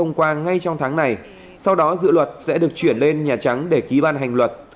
hạ viện sẽ được thông qua ngay trong tháng này sau đó dự luật sẽ được chuyển lên nhà trắng để ký ban hành luật